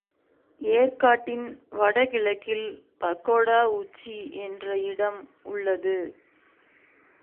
ஏர்க்காட்டின் வட கிழக்கில் பகோடா உச்சி என்ற இடம் உள்ளது.